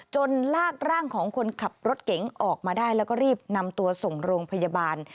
ลากร่างของคนขับรถเก๋งออกมาได้แล้วก็รีบนำตัวส่งโรงพยาบาล